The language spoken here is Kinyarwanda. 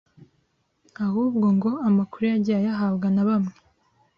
ahubwo ngo amakuru yagiye ayahabwa na bamwe